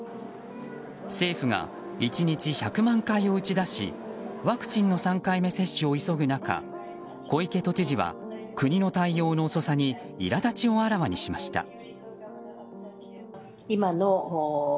政府が１日１００万回を打ち出しワクチンの３回目接種を急ぐ中小池都知事は国の対応の遅さにいらだちをあらわにしました。